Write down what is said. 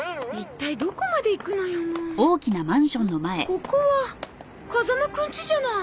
ここは風間くんちじゃない。